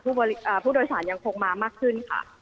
ผู้โดยสารยังคงมามากขึ้นค่ะ